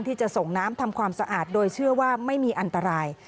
ที่จะส่งน้ำทำความสะอาดโดยเชื่อว่าไม่มีอันตราย